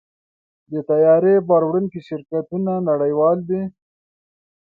د طیارې بار وړونکي شرکتونه نړیوال دي.